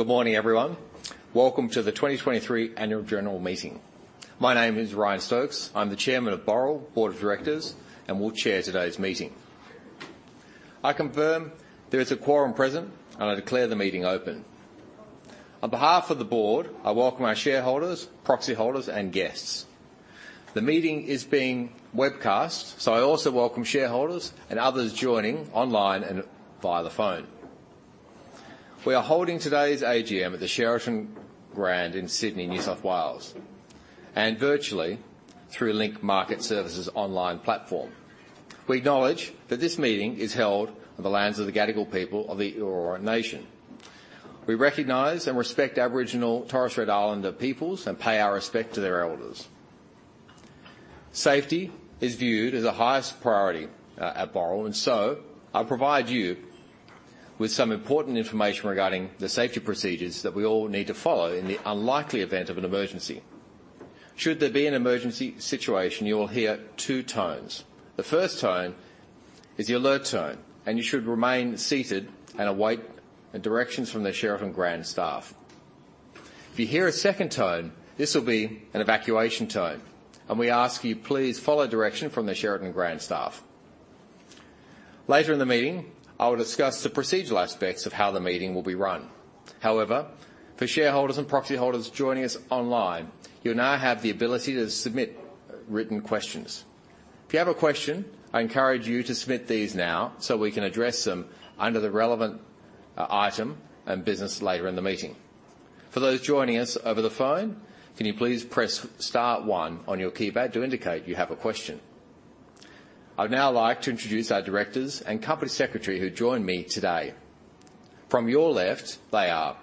Good morning, everyone. Welcome to the 2023 Annual General Meeting. My name is Ryan Stokes. I'm the Chairman of Boral Board of Directors and will chair today's meeting. I confirm there is a quorum present, and I declare the meeting open. On behalf of the board, I welcome our shareholders, proxy holders, and guests. The meeting is being webcast, so I also welcome shareholders and others joining online and via the phone. We are holding today's AGM at the Sheraton Grand Sydney in New South Wales, and virtually through Link Market Services online platform. We acknowledge that this meeting is held on the lands of the Gadigal people of the Eora Nation. We recognize and respect Aboriginal and Torres Strait Islander peoples and pay our respect to their elders. Safety is viewed as the highest priority at Boral, and so I'll provide you with some important information regarding the safety procedures that we all need to follow in the unlikely event of an emergency. Should there be an emergency situation, you will hear two tones. The first tone is the alert tone, and you should remain seated and await directions from the Sheraton Grand staff. If you hear a second tone, this will be an evacuation tone, and we ask you please follow direction from the Sheraton Grand staff. Later in the meeting, I will discuss the procedural aspects of how the meeting will be run. However, for shareholders and proxy holders joining us online, you now have the ability to submit written questions. If you have a question, I encourage you to submit these now, so we can address them under the relevant item and business later in the meeting. For those joining us over the phone, can you please press star one on your keypad to indicate you have a question? I'd now like to introduce our directors and company secretary who joined me today. From your left, they are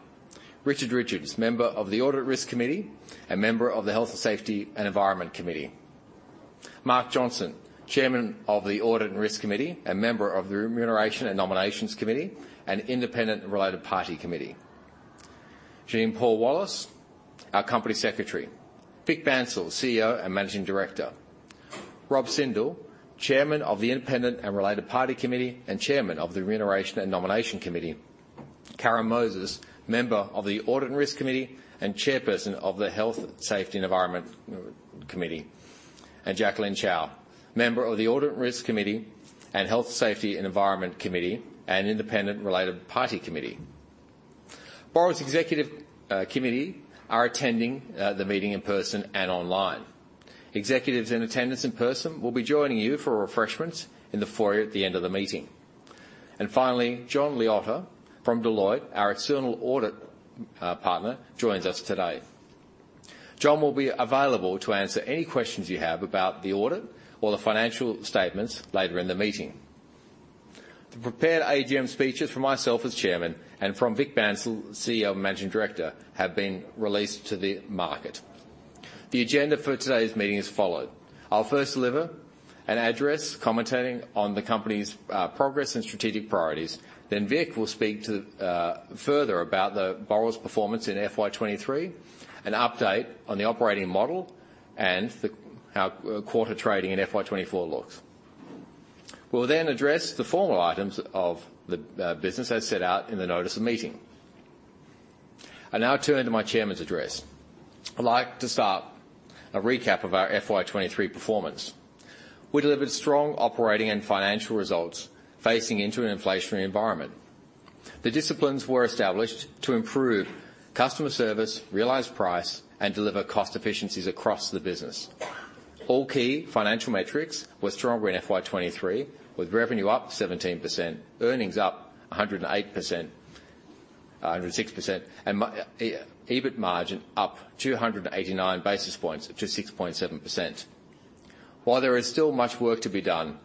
Richard Richards, Member of the Audit and Risk Committee and Member of the Health, Safety, and Environment Committee. Mark Johnson, Chairman of the Audit and Risk Committee and Member of the Remuneration and Nominations Committee and Independent and Related Party Committee. Jean-Paul Wallace, our company secretary. Vik Bansal, CEO and Managing Director. Rob Sindel, Chairman of the Independent and Related Party Committee and Chairman of the Remuneration and Nomination Committee. Karen Moses, Member of the Audit and Risk Committee, and chairperson of the Health, Safety, and Environment Committee. Jacqueline Chow, Member of the Audit and Risk Committee, Health, Safety, and Environment Committee, and Independent Related Party Committee. Boral's executive committee are attending the meeting in person and online. Executives in attendance in person will be joining you for refreshments in the foyer at the end of the meeting. Finally, John Liotta from Deloitte, our external audit partner, joins us today. John will be available to answer any questions you have about the audit or the financial statements later in the meeting. The prepared AGM speeches from myself as Chairman and from Vik Bansal, CEO and Managing Director, have been released to the market. The agenda for today's meeting is followed. I'll first deliver an address commentating on the company's progress and strategic priorities. Then Vik will speak to further about Boral's performance in FY 2023, an update on the operating model and how quarter trading in FY 2024 looks. We'll then address the formal items of the business as set out in the notice of meeting. I now turn to my chairman's address. I'd like to start a recap of our FY 2023 performance. We delivered strong operating and financial results facing into an inflationary environment. The disciplines were established to improve customer service, realize price, and deliver cost efficiencies across the business. All key financial metrics were stronger in FY 2023, with revenue up 17%, earnings up 108%, 106%, and EBIT margin up 289 basis points to 6.7%. While there is still much work to be done,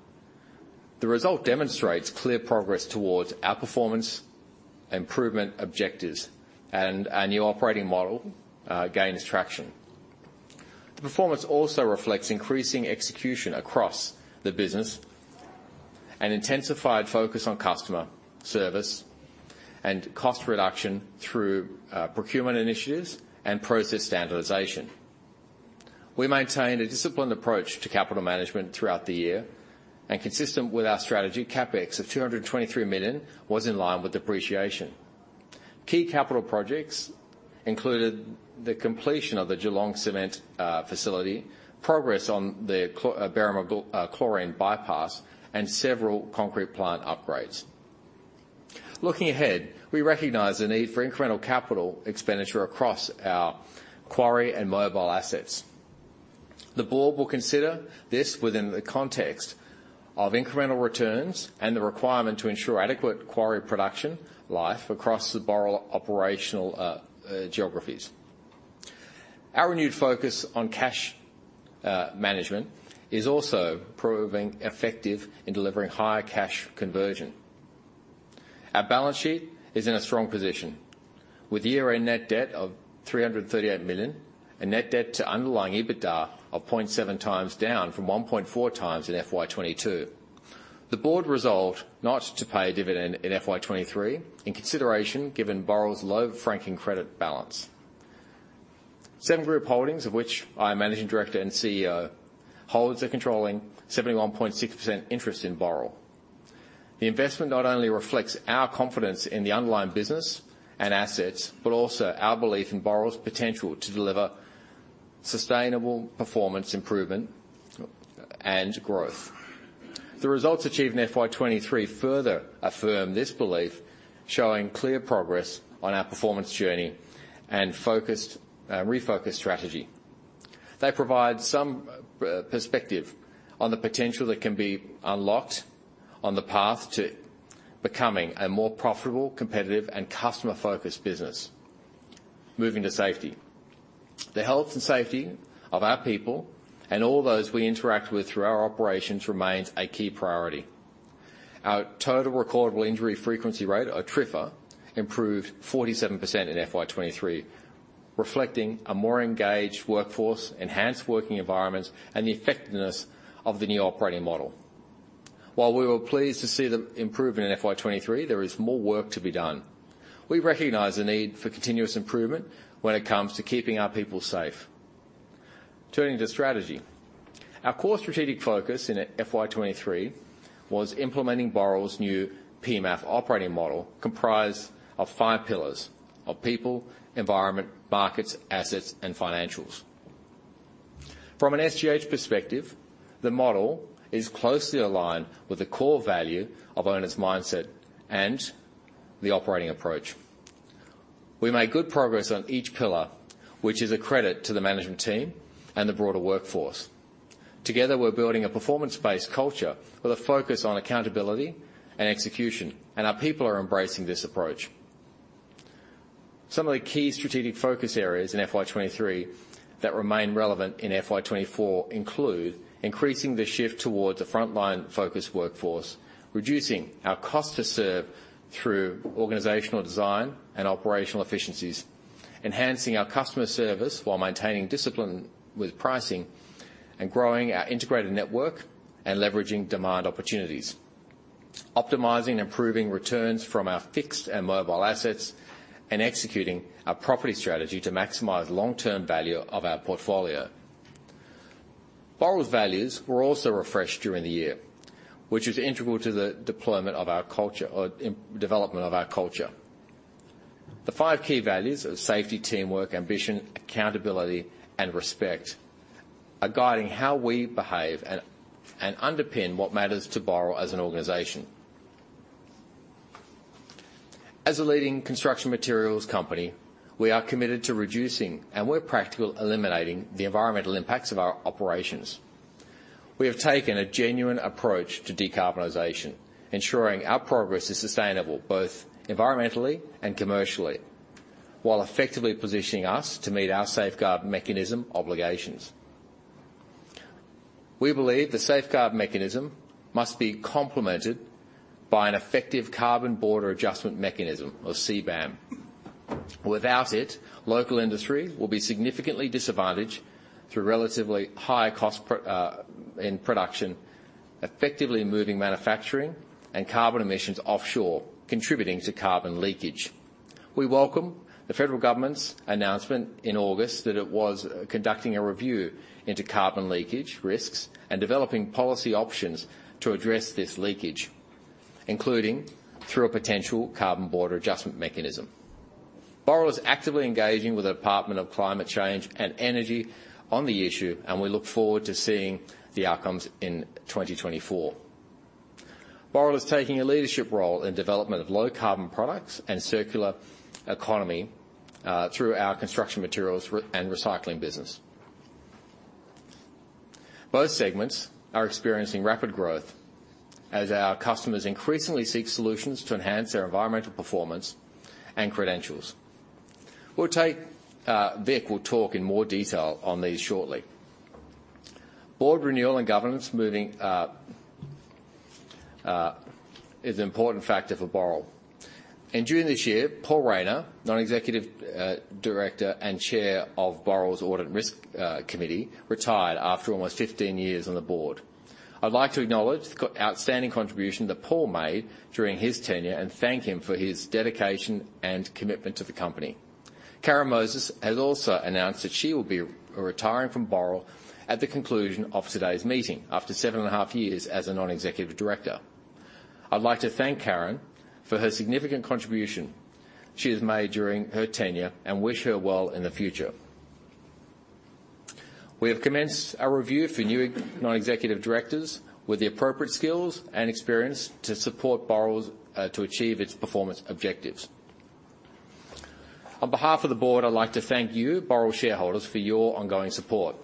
the result demonstrates clear progress towards our performance, improvement, objectives, and our new operating model gains traction. The performance also reflects increasing execution across the business, an intensified focus on customer service, and cost reduction through procurement initiatives and process standardization. We maintain a disciplined approach to capital management throughout the year, and consistent with our strategy, CapEx of AUD 223 million was in line with depreciation. Key capital projects included the completion of the Geelong Cement facility, progress on the Berrima chlorine bypass, and several concrete plant upgrades. Looking ahead, we recognize the need for incremental capital expenditure across our quarry and mobile assets. The board will consider this within the context of incremental returns and the requirement to ensure adequate quarry production life across the Boral operational geographies. Our renewed focus on cash, management is also proving effective in delivering higher cash conversion. Our balance sheet is in a strong position, with year-end net debt of 338 million, and net debt to underlying EBITDA of 0.7 times, down from 1.4 times in FY 2022. The board resolved not to pay a dividend in FY 2023 in consideration given Boral's low franking credit balance. Seven Group Holdings, of which I'm Managing Director and CEO, holds a controlling 71.6% interest in Boral. The investment not only reflects our confidence in the underlying business and assets, but also our belief in Boral's potential to deliver sustainable performance, improvement, and growth. The results achieved in FY 2023 further affirm this belief, showing clear progress on our performance journey and focused, refocused strategy. They provide some perspective on the potential that can be unlocked on the path to becoming a more profitable, competitive and customer-focused business. Moving to safety. The health and safety of our people, and all those we interact with through our operations, remains a key priority. Our Total Recordable Injury Frequency Rate, or TRIFR, improved 47% in FY 2023, reflecting a more engaged workforce, enhanced working environments, and the effectiveness of the new operating model. While we were pleased to see the improvement in FY 2023, there is more work to be done. We recognize the need for continuous improvement when it comes to keeping our people safe. Turning to strategy. Our core strategic focus in FY 2023 was implementing Boral's new PEMAF operating model, comprised of 5 pillars: of People, Environment, Markets, Assets and Financials. From an SGH perspective, the model is closely aligned with the core value of owner's mindset and the operating approach. We made good progress on each pillar, which is a credit to the management team and the broader workforce. Together, we're building a performance-based culture with a focus on accountability and execution, and our people are embracing this approach. Some of the key strategic focus areas in FY 2023 that remain relevant in FY 2024 include increasing the shift towards a frontline-focused workforce, reducing our cost to serve through organizational design and operational efficiencies, enhancing our customer service while maintaining discipline with pricing, and growing our integrated network and leveraging demand opportunities, optimizing and improving returns from our fixed and mobile assets, and executing our property strategy to maximize long-term value of our portfolio. Boral's values were also refreshed during the year, which is integral to the deployment of our culture or development of our culture. The five key values of safety, teamwork, ambition, accountability, and respect are guiding how we behave and underpin what matters to Boral as an organization. As a leading construction materials company, we are committed to reducing, and where practical, eliminating the environmental impacts of our operations. We have taken a genuine approach to decarbonization, ensuring our progress is sustainable both environmentally and commercially, while effectively positioning us to meet our Safeguard Mechanism obligations. We believe the Safeguard Mechanism must be complemented by an effective Carbon Border Adjustment Mechanism, or CBAM. Without it, local industry will be significantly disadvantaged through relatively higher cost in production, effectively moving manufacturing and carbon emissions offshore, contributing to carbon leakage. We welcome the federal government's announcement in August that it was conducting a review into carbon leakage risks and developing policy options to address this leakage, including through a potential Carbon Border Adjustment Mechanism. Boral is actively engaging with the Department of Climate Change and Energy on the issue, and we look forward to seeing the outcomes in 2024. Boral is taking a leadership role in development of low carbon products and circular economy through our construction materials recycling business. Both segments are experiencing rapid growth as our customers increasingly seek solutions to enhance their environmental performance and credentials. We'll take, Vik will talk in more detail on these shortly. Board renewal and governance is an important factor for Boral. In June this year, Paul Rayner, Non-Executive Director and Chair of Boral's Audit and Risk Committee, retired after almost 15 years on the board. I'd like to acknowledge the outstanding contribution that Paul made during his tenure, and thank him for his dedication and commitment to the company. Karen Moses has also announced that she will be retiring from Boral at the conclusion of today's meeting, after seven and a half years as a non-executive director. I'd like to thank Karen for her significant contribution she has made during her tenure, and wish her well in the future. We have commenced a review for new executive, non-executive directors with the appropriate skills and experience to support Boral's to achieve its performance objectives. On behalf of the board, I'd like to thank you, Boral shareholders, for your ongoing support.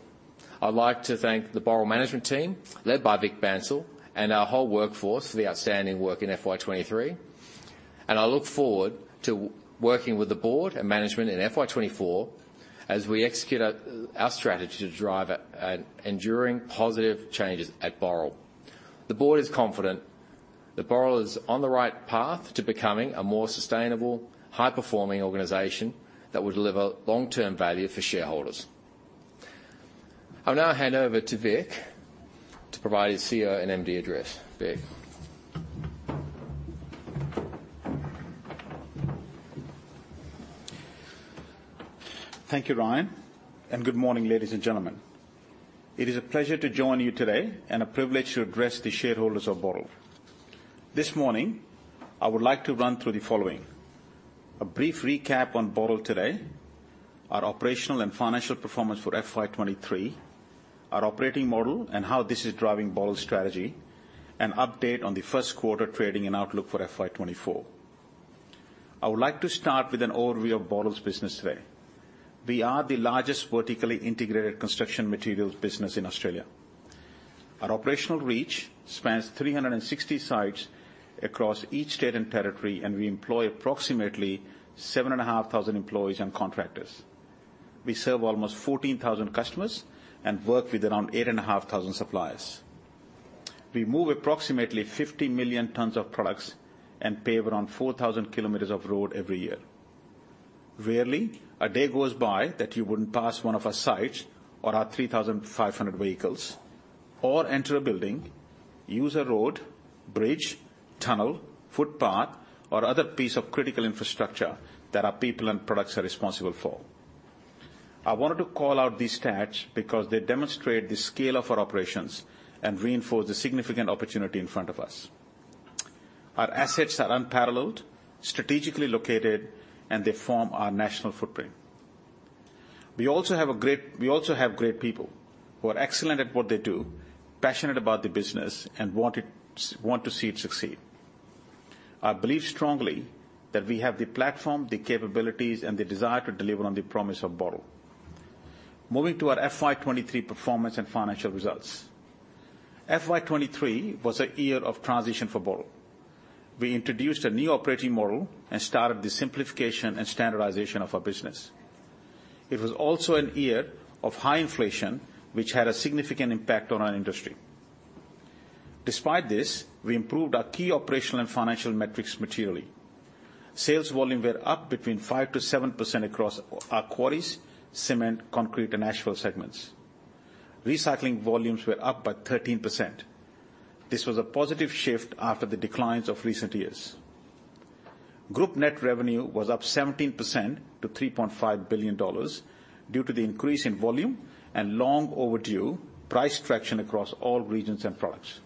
I'd like to thank the Boral management team, led by Vik Bansal, and our whole workforce for the outstanding work in FY 2023, and I look forward to working with the board and management in FY 2024 as we execute our strategy to drive enduring positive changes at Boral. The board is confident that Boral is on the right path to becoming a more sustainable, high-performing organization that will deliver long-term value for shareholders. I'll now hand over to Vik to provide his CEO and MD address. Vik? Thank you, Ryan, and good morning, ladies and gentlemen. It is a pleasure to join you today and a privilege to address the shareholders of Boral. This morning, I would like to run through the following: a brief recap on Boral today, our operational and financial performance for FY 2023, our operating model and how this is driving Boral's strategy, an update on the first quarter trading and outlook for FY 2024. I would like to start with an overview of Boral's business today. We are the largest vertically integrated construction materials business in Australia. Our operational reach spans 360 sites across each state and territory, and we employ approximately 7,500 employees and contractors. We serve almost 14,000 customers and work with around 8,500 suppliers. We move approximately 50 million tons of products and pave around 4,000km of road every year. Rarely a day goes by that you wouldn't pass one of our sites or our 3,500 vehicles, or enter a building, use a road, bridge, tunnel, footpath, or other piece of critical infrastructure that our people and products are responsible for. I wanted to call out these stats because they demonstrate the scale of our operations and reinforce the significant opportunity in front of us. Our assets are unparalleled, strategically located, and they form our national footprint. We also have great people who are excellent at what they do, passionate about the business and want to see it succeed. I believe strongly that we have the platform, the capabilities and the desire to deliver on the promise of Boral. Moving to our FY 2023 performance and financial results. FY 2023 was a year of transition for Boral. We introduced a new operating model and started the simplification and standardization of our business. It was also a year of high inflation, which had a significant impact on our industry. Despite this, we improved our key operational and financial metrics materially. Sales volume were up 5%-7% across our quarries, cement, concrete, and asphalt segments. Recycling volumes were up by 13%. This was a positive shift after the declines of recent years. Group net revenue was up 17% to 3.5 billion dollars due to the increase in volume and long overdue price traction across all regions and products.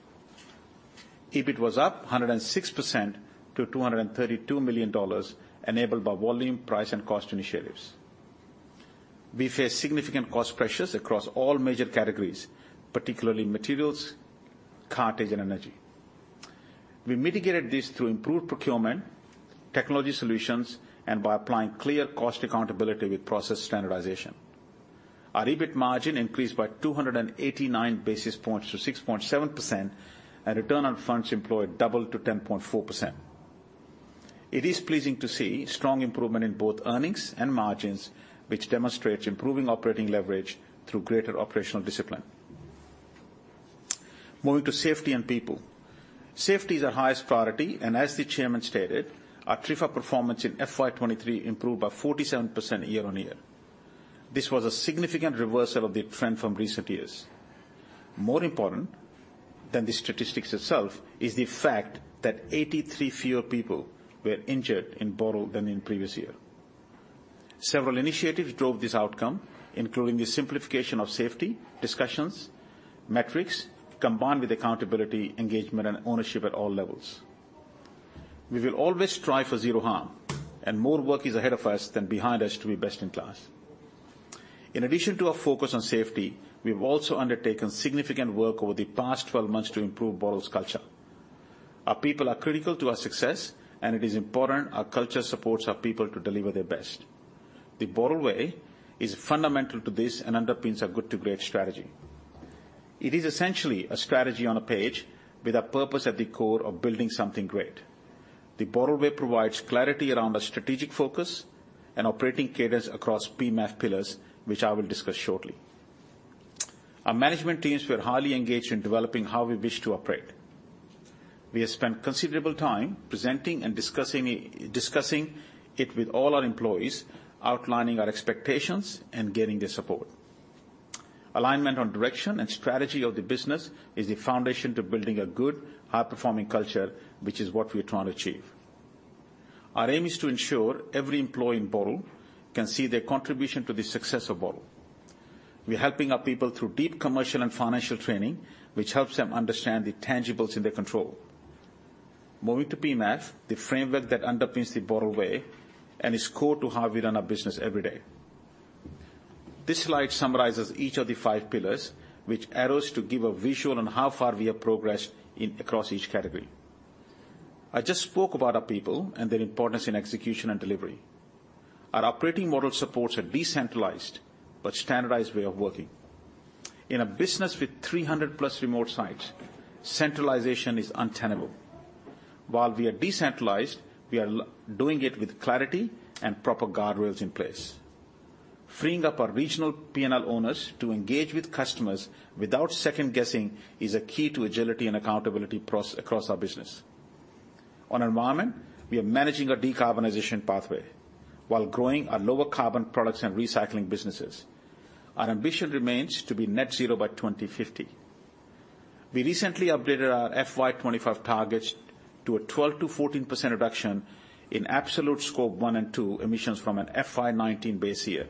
EBIT was up 106% to 232 million dollars, enabled by volume, price, and cost initiatives. We faced significant cost pressures across all major categories, particularly materials, cartage, and energy. We mitigated this through improved procurement, technology solutions, and by applying clear cost accountability with process standardization. Our EBIT margin increased by 289 basis points to 6.7%, and return on funds employed doubled to 10.4%. It is pleasing to see strong improvement in both earnings and margins, which demonstrates improving operating leverage through greater operational discipline. Moving to safety and people. Safety is our highest priority, and as the Chairman stated, our TRIFR performance in FY 2023 improved by 47% year-on-year. This was a significant reversal of the trend from recent years. More important than the statistics itself is the fact that 83 fewer people were injured in Boral than in previous year. Several initiatives drove this outcome, including the simplification of safety, discussions, metrics, combined with accountability, engagement, and ownership at all levels. We will always strive for zero harm, and more work is ahead of us than behind us to be best in class. In addition to our focus on safety, we've also undertaken significant work over the past 12 months to improve Boral's culture. Our people are critical to our success, and it is important our culture supports our people to deliver their best. The Boral Way is fundamental to this and underpins our Good to Great strategy. It is essentially a strategy on a page with a purpose at the core of building something great. The Boral Way provides clarity around our strategic focus and operating cadence across PEMAF pillars, which I will discuss shortly. Our management teams were highly engaged in developing how we wish to operate. We have spent considerable time presenting and discussing it, discussing it with all our employees, outlining our expectations and gaining their support. Alignment on direction and strategy of the business is the foundation to building a good, high-performing culture, which is what we are trying to achieve. Our aim is to ensure every employee in Boral can see their contribution to the success of Boral. We are helping our people through deep commercial and financial training, which helps them understand the tangibles in their control. Moving to PEMAF, the framework that underpins The Boral Way and is core to how we run our business every day. This slide summarizes each of the five pillars, which arrows to give a visual on how far we have progressed in across each category. I just spoke about our people and their importance in execution and delivery. Our operating model supports a decentralized but standardized way of working. In a business with 300+ remote sites, centralization is untenable. While we are decentralized, we are doing it with clarity and proper guardrails in place. Freeing up our regional P&L owners to engage with customers without second-guessing is a key to agility and accountability process across our business. On environment, we are managing our decarbonization pathway while growing our lower carbon products and recycling businesses. Our ambition remains to be net zero by 2050. We recently updated our FY 2025 targets to a 12%-14% reduction in absolute scope 1 and 2 emissions from an FY 2019 base year.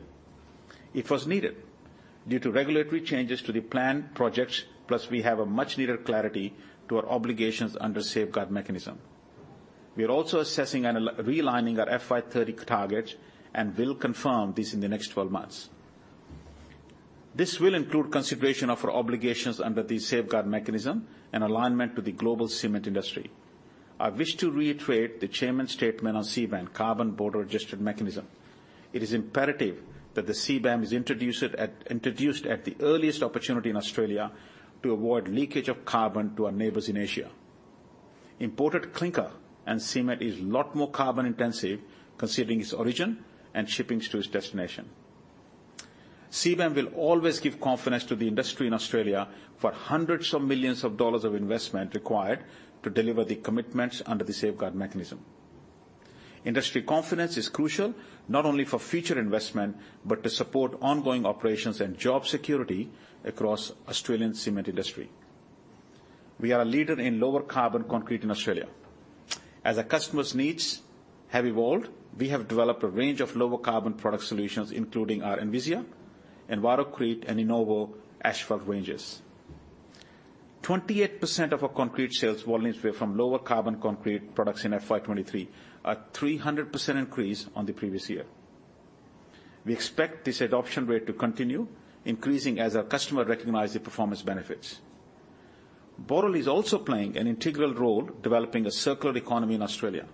It was needed due to regulatory changes to the planned projects, plus we have a much-needed clarity to our obligations under Safeguard Mechanism. We are also assessing and realigning our FY 2030 targets, and will confirm this in the next 12 months. This will include consideration of our obligations under the Safeguard Mechanism and alignment to the global cement industry. I wish to reiterate the Chairman's statement on CBAM, Carbon Border Adjustment Mechanism. It is imperative that the CBAM is introduced at the earliest opportunity in Australia to avoid leakage of carbon to our neighbors in Asia. Imported clinker and cement is a lot more carbon intensive, considering its origin and shipping to its destination. CBAM will always give confidence to the industry in Australia for hundreds of millions of AUD of investment required to deliver the commitments under the Safeguard Mechanism. Industry confidence is crucial, not only for future investment, but to support ongoing operations and job security across Australian cement industry. We are a leader in lower carbon concrete in Australia. As our customers' needs have evolved, we have developed a range of lower carbon product solutions, including our Envisia, Envirocrete, and Innovo asphalt ranges. 28% of our concrete sales volumes were from lower carbon concrete products in FY 2023, a 300% increase on the previous year. We expect this adoption rate to continue increasing as our customer recognize the performance benefits. Boral is also playing an integral role developing a circular economy in Australia.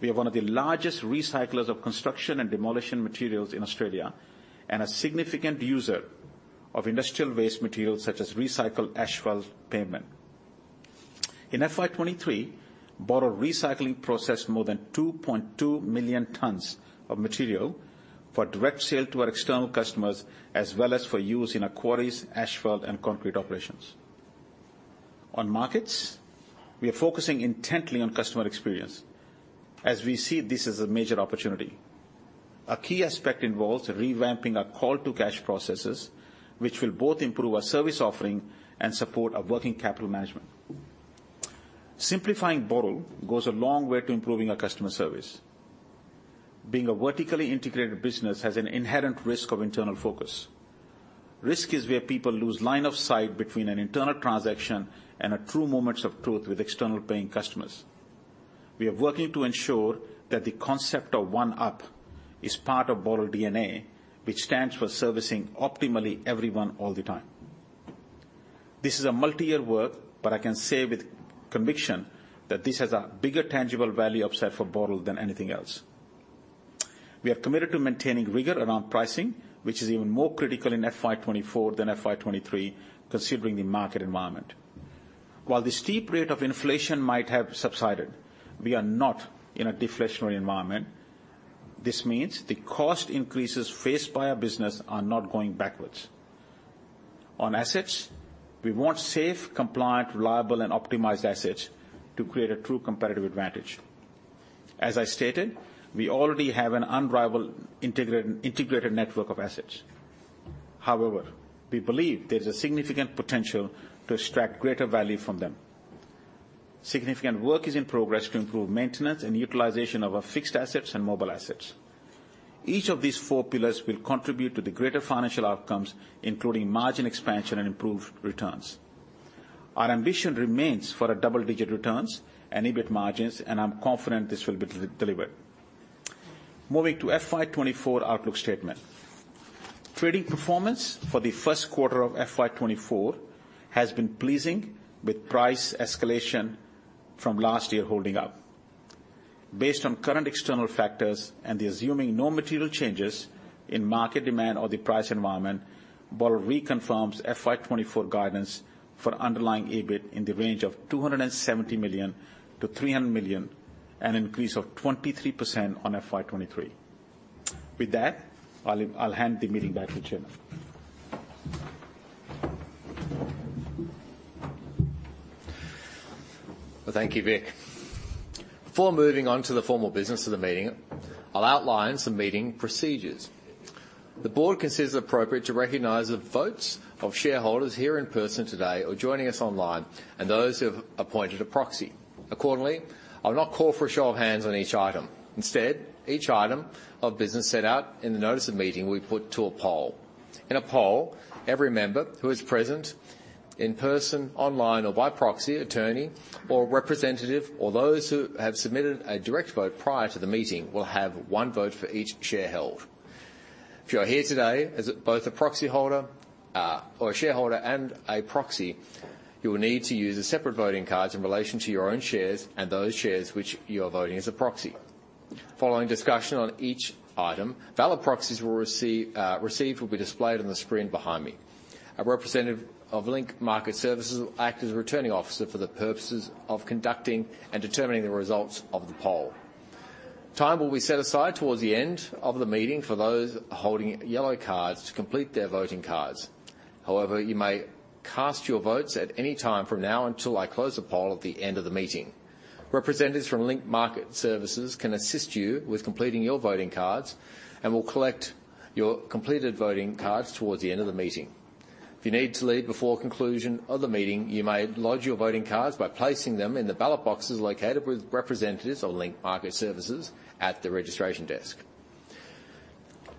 We are one of the largest recyclers of construction and demolition materials in Australia, and a significant user of industrial waste materials, such as recycled asphalt pavement. In FY 2023, Boral recycling processed more than 2.2 million tons of material for direct sale to our external customers, as well as for use in our quarries, asphalt, and concrete operations. On markets, we are focusing intently on customer experience, as we see this as a major opportunity. A key aspect involves revamping our call to cash processes, which will both improve our service offering and support our working capital management. Simplifying Boral goes a long way to improving our customer service. Being a vertically integrated business has an inherent risk of internal focus. Risk is where people lose line of sight between an internal transaction and a true moments of truth with external paying customers. We are working to ensure that the concept of One Up is part of Boral DNA, which stands for servicing optimally everyone all the time. This is a multi-year work, but I can say with conviction that this has a bigger tangible value upside for Boral than anything else. We are committed to maintaining rigor around pricing, which is even more critical in FY 2024 than FY 2023, considering the market environment. While the steep rate of inflation might have subsided, we are not in a deflationary environment. This means the cost increases faced by our business are not going backwards. On assets, we want safe, compliant, reliable, and optimized assets to create a true competitive advantage. As I stated, we already have an unrivaled integrated network of assets. However, we believe there is a significant potential to extract greater value from them. Significant work is in progress to improve maintenance and utilization of our fixed assets and mobile assets. Each of these four pillars will contribute to the greater financial outcomes, including margin expansion and improved returns. Our ambition remains for a double-digit returns and EBIT margins, and I'm confident this will be delivered. Moving to FY 2024 outlook statement. Trading performance for the first quarter of FY 2024 has been pleasing, with price escalation from last year holding up. Based on current external factors and assuming no material changes in market demand or the price environment, Boral reconfirms FY 2024 guidance for underlying EBIT in the range of 270 million-300 million, an increase of 23% on FY 2023. With that, I'll hand the meeting back to Chairman. Well, thank you, Vik. Before moving on to the formal business of the meeting, I'll outline some meeting procedures. The board considers it appropriate to recognize the votes of shareholders here in person today or joining us online, and those who have appointed a proxy. Accordingly, I will not call for a show of hands on each item. Instead, each item of business set out in the notice of meeting will be put to a poll. In a poll, every member who is present in person, online or by proxy, attorney or representative, or those who have submitted a direct vote prior to the meeting will have one vote for each share held. If you are here today as a, both a proxy holder, or a shareholder and a proxy, you will need to use separate voting cards in relation to your own shares and those shares which you are voting as a proxy. Following discussion on each item, valid proxies will receive, received will be displayed on the screen behind me. A representative of Link Market Services will act as a returning officer for the purposes of conducting and determining the results of the poll. Time will be set aside towards the end of the meeting for those holding yellow cards to complete their voting cards. However, you may cast your votes at any time from now until I close the poll at the end of the meeting. Representatives from Link Market Services can assist you with completing your voting cards, and will collect your completed voting cards toward the end of the meeting. If you need to leave before conclusion of the meeting, you may lodge your voting cards by placing them in the ballot boxes located with representatives of Link Market Services at the registration desk.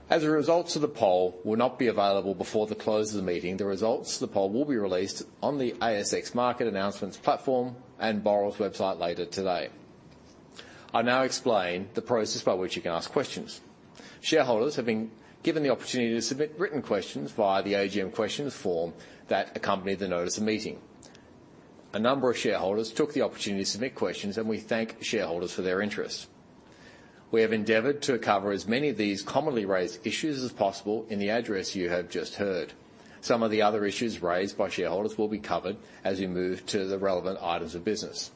As the results of the poll will not be available before the close of the meeting, the results of the poll will be released on the ASX Market Announcements platform and Boral's website later today. I'll now explain the process by which you can ask questions. Shareholders have been given the opportunity to submit written questions via the AGM questions form that accompanied the notice of meeting. A number of shareholders took the opportunity to submit questions, and we thank shareholders for their interest. We have endeavored to cover as many of these commonly raised issues as possible in the address you have just heard. Some of the other issues raised by shareholders will be covered as we move to the relevant items of business.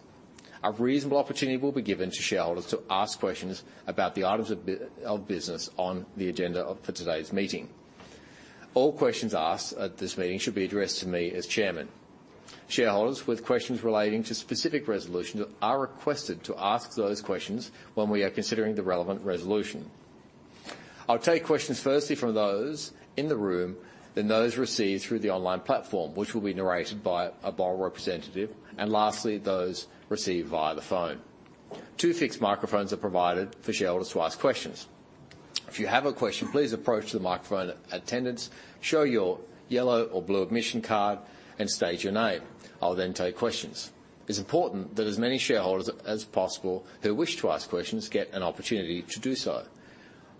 A reasonable opportunity will be given to shareholders to ask questions about the items of business on the agenda for today's meeting. All questions asked at this meeting should be addressed to me as Chairman. Shareholders with questions relating to specific resolutions are requested to ask those questions when we are considering the relevant resolution. I'll take questions firstly from those in the room, then those received through the online platform, which will be narrated by a Boral representative, and lastly, those received via the phone. Two fixed microphones are provided for shareholders to ask questions. If you have a question, please approach the microphone at attendance, show your yellow or blue admission card, and state your name. I'll then take questions. It's important that as many shareholders as possible who wish to ask questions get an opportunity to do so.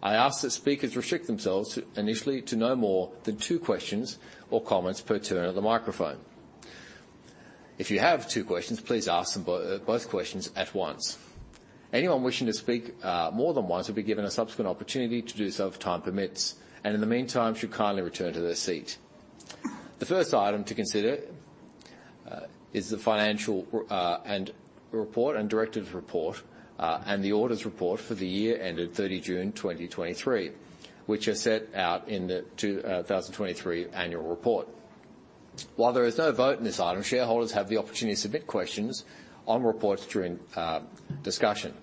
I ask that speakers restrict themselves initially to no more than two questions or comments per turn of the microphone. If you have two questions, please ask them both questions at once. Anyone wishing to speak more than once will be given a subsequent opportunity to do so if time permits, and in the meantime, should kindly return to their seat. The first item to consider is the financial report and directors' report and the auditors' report for the year ended 30 June 2023, which are set out in the 2023 annual report. While there is no vote in this item, shareholders have the opportunity to submit questions on reports during discussion.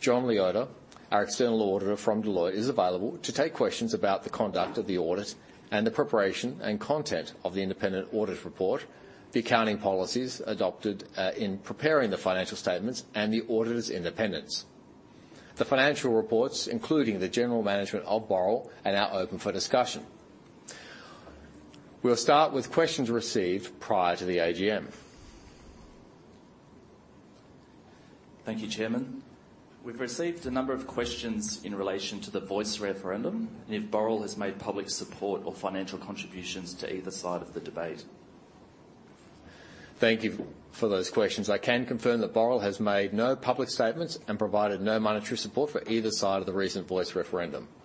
John Liotta, our external auditor from Deloitte, is available to take questions about the conduct of the audit and the preparation and content of the independent audit report, the accounting policies adopted in preparing the financial statements, and the auditor's independence. The financial reports, including the general management of Boral, are now open for discussion. We'll start with questions received prior to the AGM. Thank you, Chairman. We've received a number of questions in relation to the voice referendum and if Boral has made public support or financial contributions to either side of the debate. Thank you for those questions. I can confirm that Boral has made no public statements and provided no monetary support for either side of the recent voice referendum. Thank you,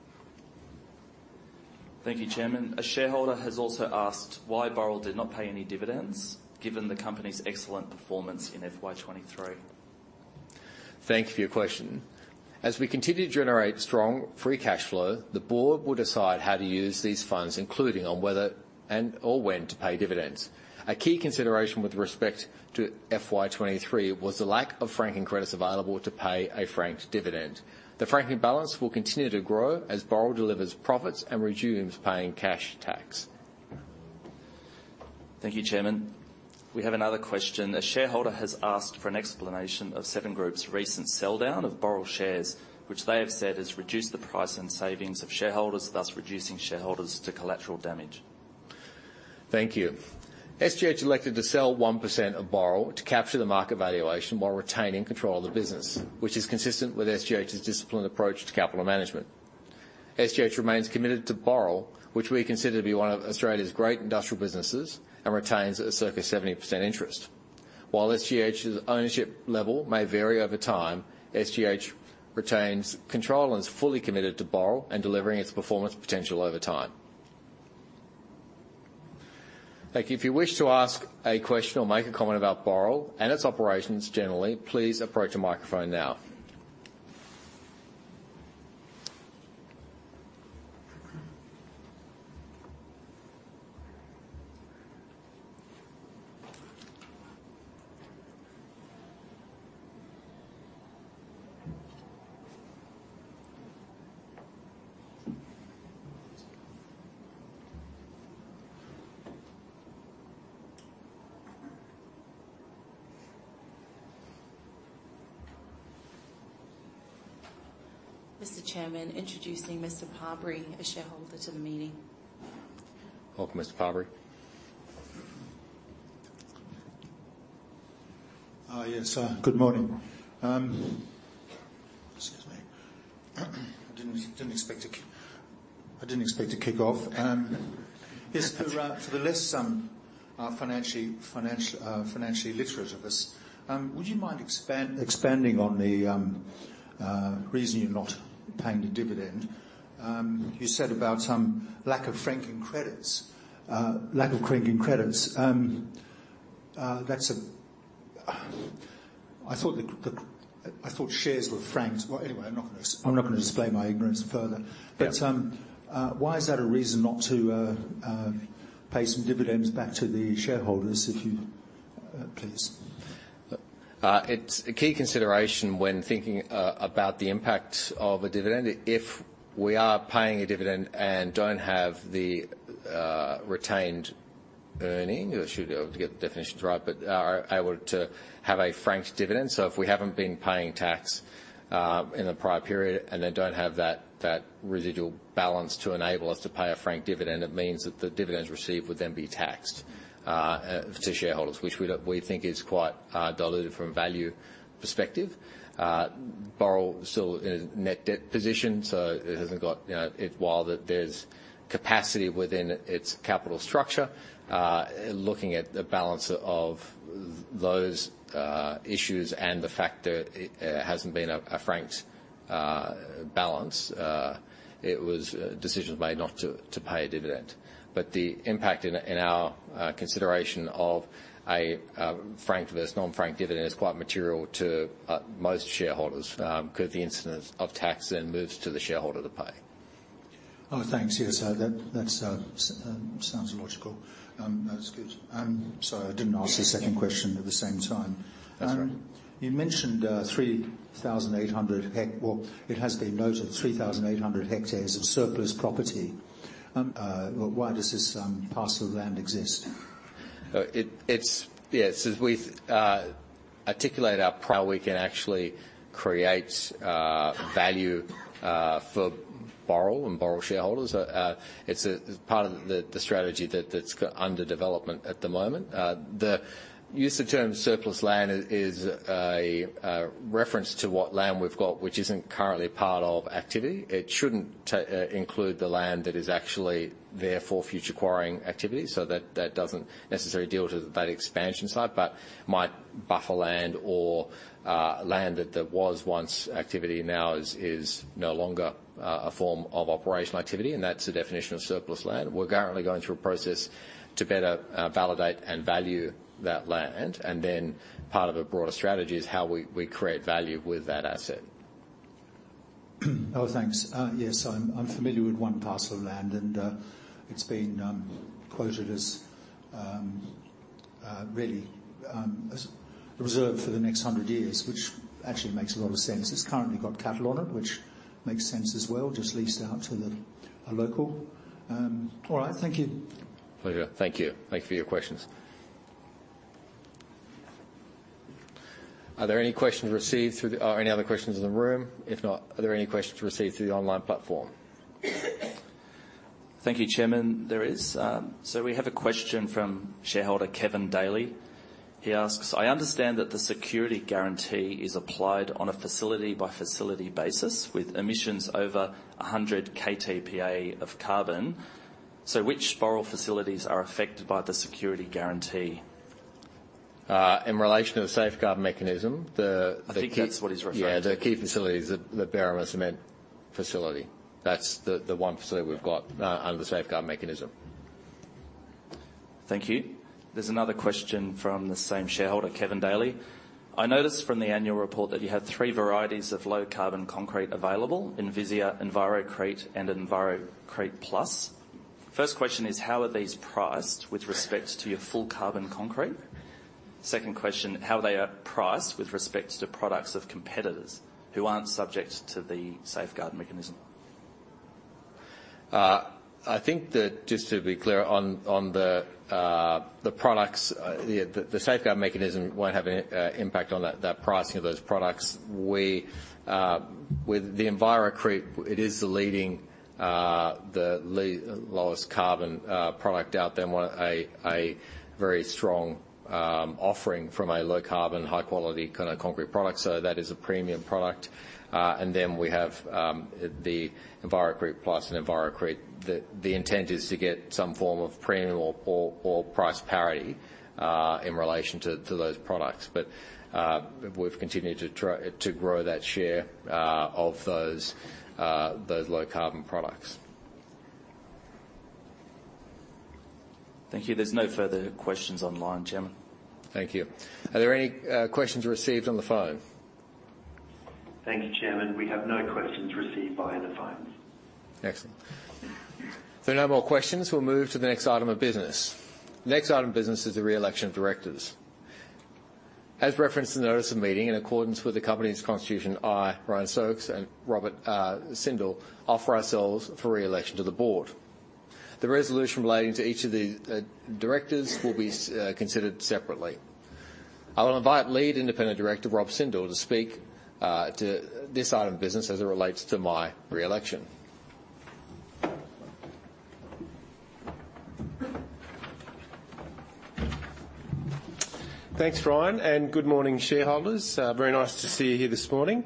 Chairman. A shareholder has also asked why Boral did not pay any dividends, given the company's excellent performance in FY 2023. Thank you for your question. As we continue to generate strong free cash flow, the board will decide how to use these funds, including on whether and or when to pay dividends. A key consideration with respect to FY 2023 was the lack of franking credits available to pay a franked dividend. The franking balance will continue to grow as Boral delivers profits and resumes paying cash tax. Thank you, Chairman. We have another question. A shareholder has asked for an explanation of Seven Group's recent sell-down of Boral shares, which they have said has reduced the price and savings of shareholders, thus reducing shareholders to collateral damage. Thank you. SGH elected to sell 1% of Boral to capture the market valuation while retaining control of the business, which is consistent with SGH's disciplined approach to capital management. SGH remains committed to Boral, which we consider to be one of Australia's great industrial businesses and retains a circa 70% interest. While SGH's ownership level may vary over time, SGH retains control and is fully committed to Boral and delivering its performance potential over time. Thank you. If you wish to ask a question or make a comment about Boral and its operations generally, please approach a microphone now. Mr. Chairman, introducing Mr. Palfrey, a shareholder, to the meeting. Welcome, Mr. Palfrey. Yes, good morning. Excuse me. I didn't expect to kick off. Yes, for the less financially literate of us, would you mind expanding on the reason you're not paying a dividend? You said about some lack of franking credits, lack of franking credits. That's a, I thought the shares were franked. Well, anyway, I'm not gonna display my ignorance further. Yeah. But, why is that a reason not to pay some dividends back to the shareholders if you. It's a key consideration when thinking about the impact of a dividend. If we are paying a dividend and don't have the retained earnings, I should be able to get the definitions right, but are able to have a franked dividend. So if we haven't been paying tax in the prior period and then don't have that residual balance to enable us to pay a franked dividend, it means that the dividends received would then be taxed to shareholders, which we don't, we think is quite dilutive from a value perspective. Boral is still in a net debt position, so it hasn't got, you know, while there's capacity within its capital structure, looking at the balance of those issues and the fact that it hasn't been a, a franked balance, it was decisions made not to, to pay a dividend. But the impact in, in our consideration of a franked versus non-franked dividend is quite material to most shareholders, because the incidence of tax then moves to the shareholder to pay. Oh, thanks. Yes, that sounds logical. That's good. So I didn't ask the second question at the same time. That's all right. You mentioned 3,800 hectares of surplus property. Well, it has been noted, 3,800 hectares of surplus property. Why does this parcel of land exist? Yes, as we articulate our how we can actually create value for Boral and Boral shareholders, it's a part of the strategy that's under development at the moment. The use of the term surplus land is a reference to what land we've got, which isn't currently part of activity. It shouldn't include the land that is actually there for future quarrying activities, so that doesn't necessarily deal to that expansion side, but might buffer land or land that was once activity now is no longer a form of operational activity, and that's the definition of surplus land. We're currently going through a process to better validate and value that land, and then part of a broader strategy is how we create value with that asset. Oh, thanks. Yes, I'm familiar with one parcel of land, and it's been quoted as really as reserved for the next 100 years, which actually makes a lot of sense. It's currently got cattle on it, which makes sense as well, just leased out to a local. All right. Thank you. Pleasure. Thank you. Thank you for your questions. Are there any questions received through the, are any other questions in the room? If not, are there any questions received through the online platform? Thank you, Chairman. There is. So we have a question from shareholder Kevin Daly. He asks: "I understand that the Safeguard Mechanism is applied on a facility-by-facility basis with emissions over 100 KTPA of carbon. So which Boral facilities are affected by the Safeguard Mechanism? In relation to the Safeguard Mechanism, I think that's what he's referring to. Yeah, the key facility is the Boral Cement facility. That's the one facility we've got under the Safeguard Mechanism. Thank you. There's another question from the same shareholder, Kevin Daly: "I noticed from the annual report that you have three varieties of low-carbon concrete available, Envisia, Envirocrete, and Envirocrete Plus. First question is, how are these priced with respect to your full carbon concrete? Second question, how they are priced with respect to products of competitors who aren't subject to the Safeguard Mechanism? I think that just to be clear on the products, the Safeguard Mechanism won't have any impact on that pricing of those products. With the Envirocrete, it is the leading, the lowest carbon product out there, and a very strong offering from a low-carbon, high-quality kind of concrete product, so that is a premium product. And then we have the Envirocrete Plus and Envirocrete. The intent is to get some form of premium or price parity in relation to those products. But we've continued to try to grow that share of those low-carbon products. Thank you. There's no further questions online, Chairman. Thank you. Are there any questions received on the phone? Thank you, Chairman. We have no questions received via the phone. Excellent. If there are no more questions, we'll move to the next item of business. The next item of business is the re-election of directors. As referenced in the notice of meeting, in accordance with the company's constitution, I, Ryan Stokes, and Rob Sindel, offer ourselves for re-election to the board. The resolution relating to each of the directors will be considered separately. I will invite Lead Independent Director, Rob Sindel, to speak to this item of business as it relates to my re-election. Thanks, Ryan, and good morning, shareholders. Very nice to see you here this morning.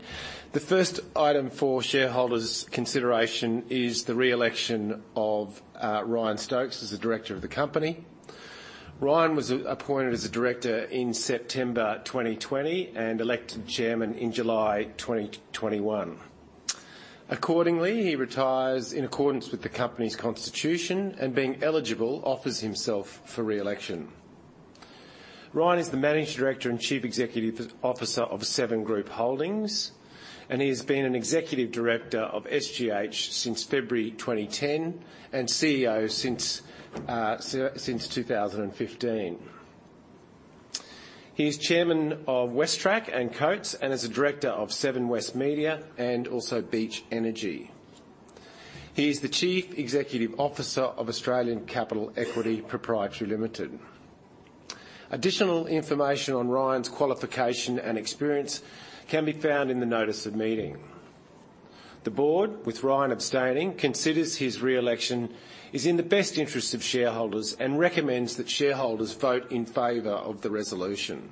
The first item for shareholders' consideration is the re-election of Ryan Stokes as a director of the company. Ryan was appointed as a director in September 2020 and elected Chairman in July 2021. Accordingly, he retires in accordance with the company's constitution and, being eligible, offers himself for re-election. Ryan is the Managing Director and Chief Executive Officer of Seven Group Holdings, and he has been an Executive Director of SGH since February 2010 and CEO since 2015. He is Chairman of WesTrac and Coates, and is a director of Seven West Media and also Beach Energy. He is the Chief Executive Officer of Australian Capital Equity Pty Limited. Additional information on Ryan's qualification and experience can be found in the notice of meeting. The board, with Ryan abstaining, considers his re-election is in the best interest of shareholders and recommends that shareholders vote in favor of the resolution.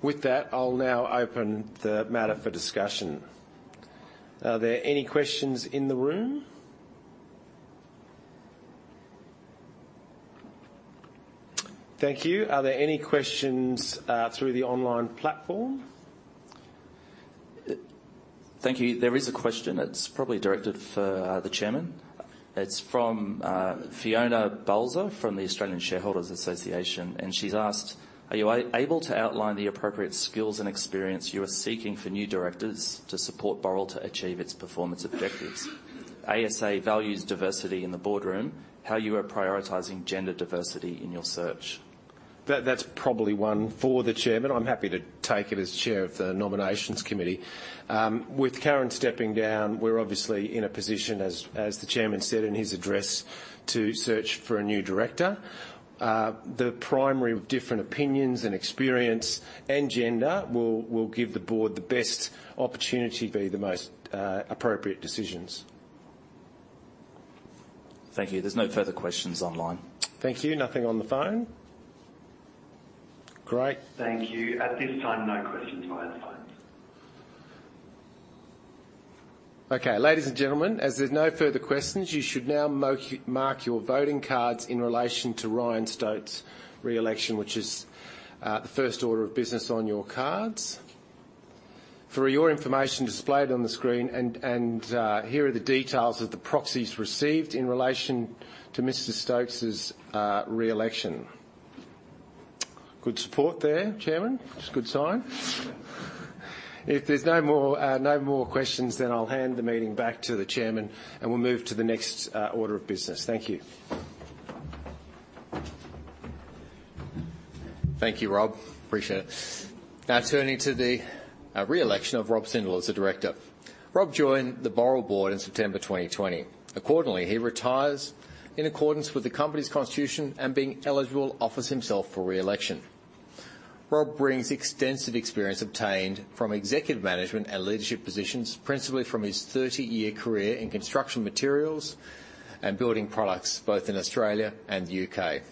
With that, I'll now open the matter for discussion. Are there any questions in the room? Thank you. Are there any questions through the online platform? Thank you. There is a question that's probably directed for the Chairman. It's from Fiona Balzer from the Australian Shareholders Association, and she's asked: Are you able to outline the appropriate skills and experience you are seeking for new directors to support Boral to achieve its performance objectives? ASA values diversity in the boardroom. How you are prioritizing gender diversity in your search? That, that's probably one for the Chairman. I'm happy to take it as Chair of the Nominations Committee. With Karen stepping down, we're obviously in a position, as the Chairman said in his address, to search for a new director. The primary of different opinions and experience and gender will give the board the best opportunity to be the most appropriate decisions. Thank you. There's no further questions online. Thank you. Nothing on the phone? Great. Thank you. At this time, no questions via the phone. Okay, ladies and gentlemen, as there's no further questions, you should now mark your voting cards in relation to Ryan Stokes' re-election, which is the first order of business on your cards. For your information displayed on the screen, here are the details of the proxies received in relation to Mr. Stokes' re-election. Good support there, Chairman. It's a good sign. If there's no more questions, then I'll hand the meeting back to the Chairman, and we'll move to the next order of business. Thank you. Thank you, Rob. Appreciate it. Now, turning to the re-election of Rob Sindel as a director. Rob joined the Boral board in September 2020. Accordingly, he retires in accordance with the company's constitution and, being eligible, offers himself for re-election. Rob brings extensive experience obtained from executive management and leadership positions, principally from his 30-year career in construction materials and building products, both in Australia and the UK.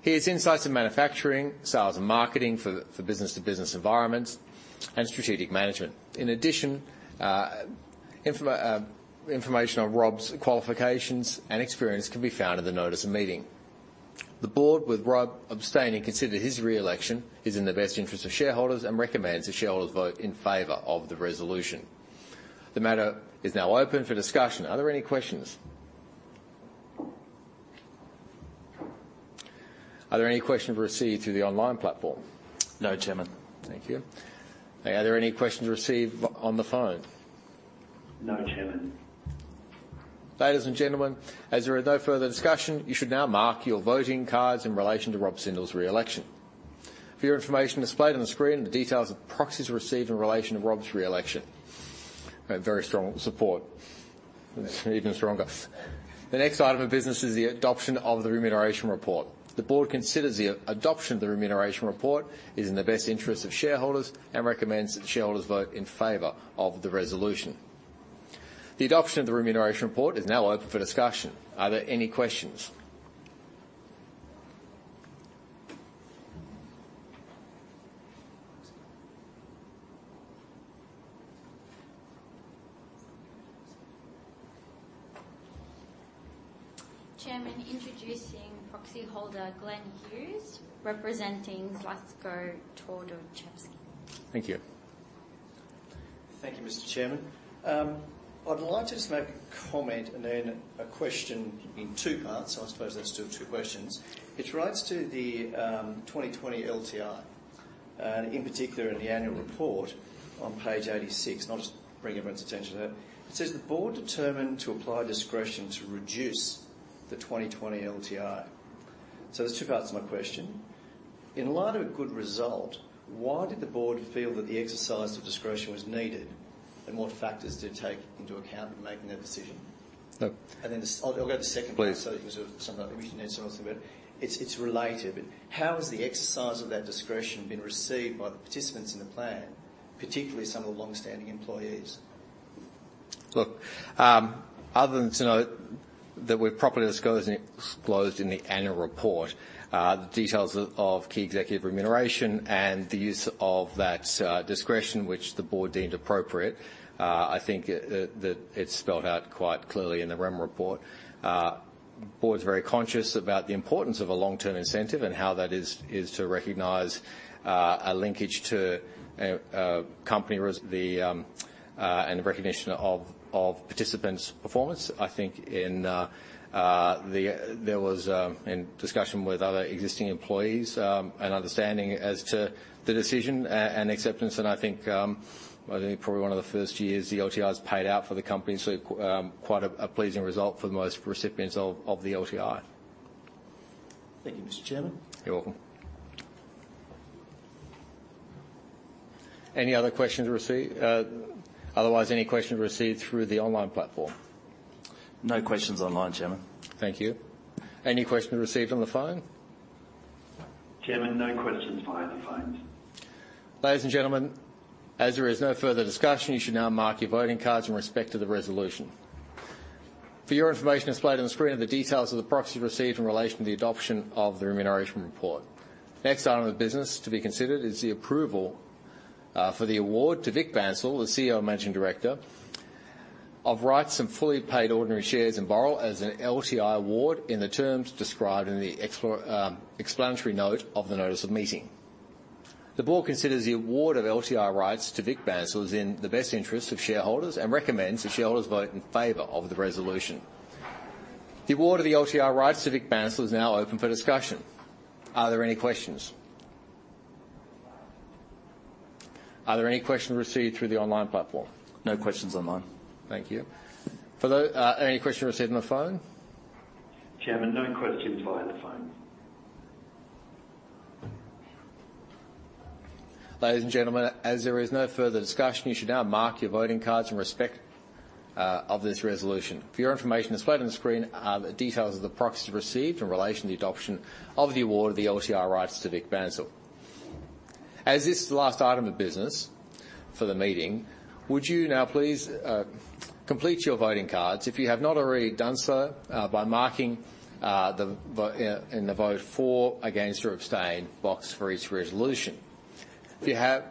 He has insights in manufacturing, sales and marketing for business to business environments and strategic management. In addition, information on Rob's qualifications and experience can be found in the notice of meeting. The board, with Rob abstaining, consider his re-election is in the best interest of shareholders and recommends the shareholders vote in favor of the resolution. The matter is now open for discussion. Are there any questions? Are there any questions received through the online platform? No, Chairman. Thank you. Are there any questions received on the phone? No, Chairman. Ladies and gentlemen, as there is no further discussion, you should now mark your voting cards in relation to Rob Sindel's re-election. For your information displayed on the screen, the details of proxies received in relation to Rob's re-election. A very strong support. Even stronger. The next item of business is the adoption of the remuneration report. The board considers the adoption of the remuneration report is in the best interest of shareholders and recommends that the shareholders vote in favor of the resolution. The adoption of the remuneration report is now open for discussion. Are there any questions? Chairman, introducing proxy holder Glenn Hughes, representing Glasgow Tordowchevsky. Thank you. Thank you, Mr. Chairman. I'd like to just make a comment and then a question in two parts. I suppose that's still two questions. It relates to the 2020 LTI, and in particular, in the annual report on page 86. I'll just bring everyone's attention to that. It says: "The board determined to apply discretion to reduce the 2020 LTI." So there's two parts to my question. In light of a good result, why did the board feel that the exercise of discretion was needed, and what factors did it take into account in making that decision? Look. Then I'll go to the second part. Please. So it was something I think you need something about. It's related, but how has the exercise of that discretion been received by the participants in the plan, particularly some of the long-standing employees? Look, other than to note that we've properly disclosed in the annual report the details of key executive remuneration and the use of that discretion, which the board deemed appropriate, I think that it's spelled out quite clearly in the REM report. Board's very conscious about the importance of a long-term incentive and how that is to recognize a linkage to a company res- the and the recognition of participants' performance. I think there was a discussion with other existing employees and understanding as to the decision and acceptance. And I think probably one of the first years the LTI is paid out for the company, so quite a pleasing result for most recipients of the LTI. Thank you, Mr. Chairman. You're welcome. Any other questions received, otherwise, any questions received through the online platform? No questions online, Chairman. Thank you. Any questions received on the phone? Chairman, no questions via the phone. Ladies and gentlemen, as there is no further discussion, you should now mark your voting cards in respect to the resolution. For your information, displayed on the screen are the details of the proxies received in relation to the adoption of the remuneration report. Next item of business to be considered is the approval for the award to Vik Bansal, the CEO and Managing Director, of rights and fully paid ordinary shares in Boral as an LTI award in the terms described in the explanatory note of the notice of meeting. The board considers the award of LTI rights to Vik Bansal is in the best interest of shareholders and recommends that shareholders vote in favor of the resolution. The award of the LTI rights to Vik Bansal is now open for discussion. Are there any questions? Are there any questions received through the online platform? No questions online. Thank you. For any questions received on the phone? Chairman, no questions via the phone. Ladies and gentlemen, as there is no further discussion, you should now mark your voting cards in respect of this resolution. For your information, displayed on the screen are the details of the proxies received in relation to the adoption of the award of the LTI rights to Vik Bansal. As this is the last item of business for the meeting, would you now please complete your voting cards, if you have not already done so, by marking in the vote for, against, or abstain box for each resolution. If you have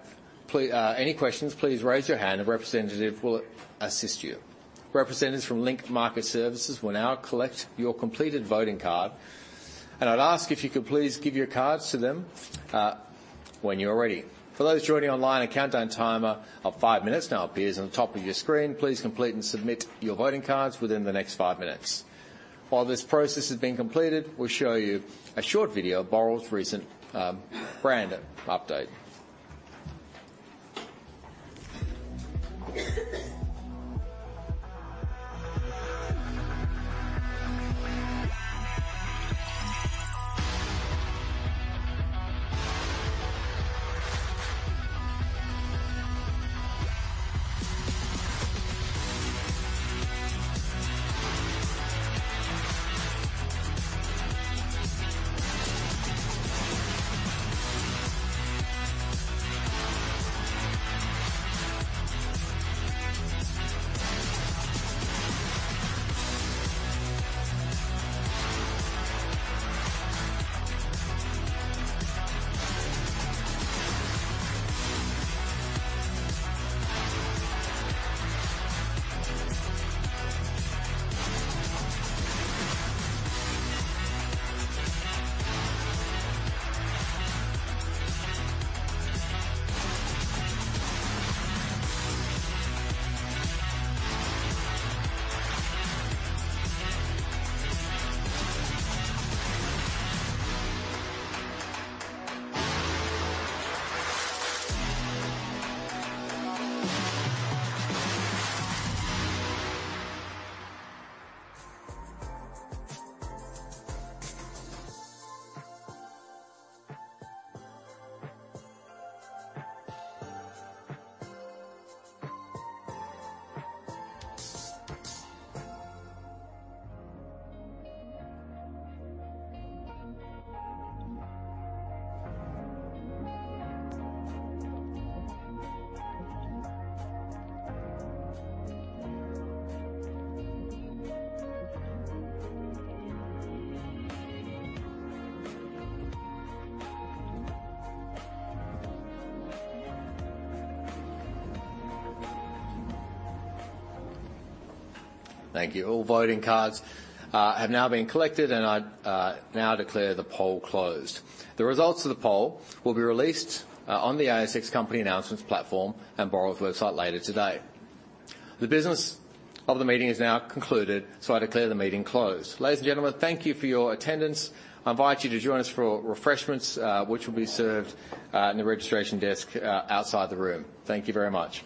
any questions, please raise your hand and a representative will assist you. Representatives from Link Market Services will now collect your completed voting card, and I'd ask if you could please give your cards to them when you're ready. For those joining online, a countdown timer of five minutes now appears on the top of your screen. Please complete and submit your voting cards within the next five minutes. While this process is being completed, we'll show you a short video of Boral's recent brand update. Thank you. All voting cards have now been collected, and I'd now declare the poll closed. The results of the poll will be released on the ASX Company Announcements platform and Boral's website later today. The business of the meeting is now concluded, so I declare the meeting closed. Ladies and gentlemen, thank you for your attendance. I invite you to join us for refreshments, which will be served in the registration desk outside the room. Thank you very much.